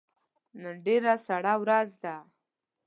نن ډیره سړه ورځ ده